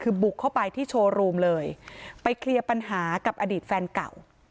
คือบุกเข้าไปที่โชว์รูมเลยไปเคลียร์ปัญหากับอดีตแฟนเก่า